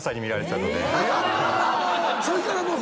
そしたらもう。